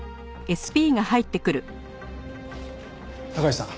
高石さん